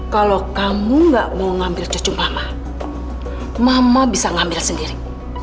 kalau kamu gak mau ngambil cucu lama mama bisa ngambil sendiri